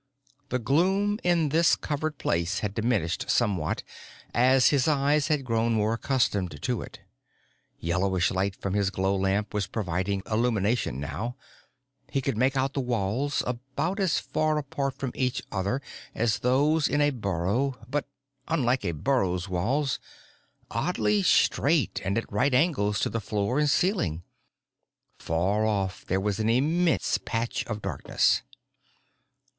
The gloom in this covered place had diminished somewhat as his eyes had grown more accustomed to it. Yellowish light from his glow lamp was providing illumination now: he could make out the walls, about as far apart from each other as those in a burrow, but unlike a burrow's walls oddly straight and at right angles to the floor and ceiling. Far off there was an immense patch of darkness.